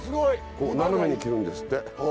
こう斜めに切るんですって。